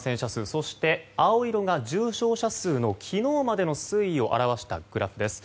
そして、青色が重症者数の昨日までの推移を表したグラフです。